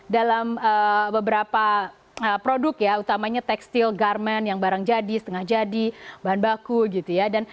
dalam beberapa produk ya utamanya tekstil garmen yang barang jadi setengah jadi bahan baku gitu ya